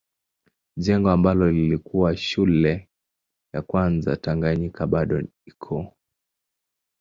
Jengo ambalo lilikuwa shule ya kwanza Tanganyika bado iko.